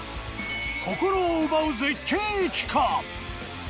心を奪う絶景駅か？